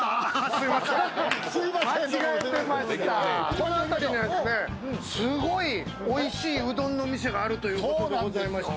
この辺りにすごいおいしいうどんの店があるということでございまして。